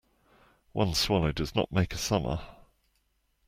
One swallow does not make a summer.